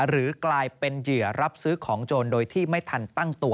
หรือกลายเป็นเหยื่อรับซื้อของโจรโดยที่ไม่ทันตั้งตัว